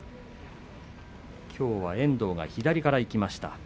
きょうは遠藤が左からいきました。